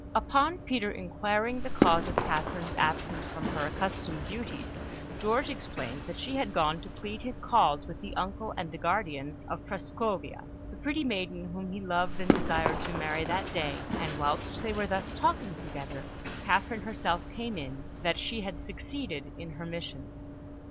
Upon Peter inquiring the cause of Catherine's absence from her accustomed duties, George explained that she had gone to plead his cause with the uncle and guardian of Prascovia, the pretty maiden whom he loved and desired to marry that day; and whilst they were thus talking together, Catherine herself came in, and announced exultantly that she had succeeded in her mission.